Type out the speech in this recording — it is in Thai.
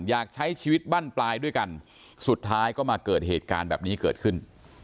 อยากใช้ชีวิตบั้นปลายด้วยกันสุดท้ายก็มาเกิดเหตุการณ์แบบนี้เกิดขึ้น